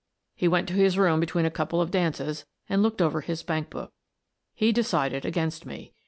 He went to his room between a couple of dances and looked over his bank book. He decided against me.